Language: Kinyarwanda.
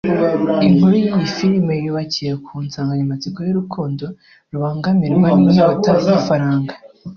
Inkuru y’iyi filimi yubakiye ku nsanganyamatsiko y’urukundo rubangamirwa n’inyota y’ifaranga